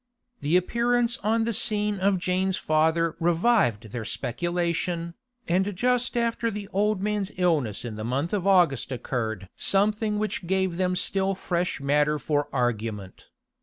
The appearance on the scene of Jane's father revived their speculation, and just after the old man's illness in the month of August occurred something which gave them still fresh matter for argument.